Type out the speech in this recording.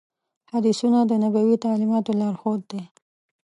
حدیثونه د نبوي تعلیماتو لارښود دي.